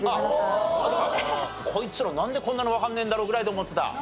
あっじゃあ「こいつらなんでこんなのわかんねえんだろ」ぐらいで思ってた？